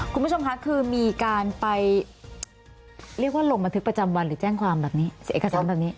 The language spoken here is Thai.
คุณผู้ชมค่ะคือมีการไปเรียกว่าลงบันทึกประจำวันหรือแจ้งความแบบนี้